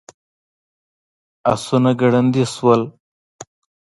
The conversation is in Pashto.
آسونه ګړندي شول.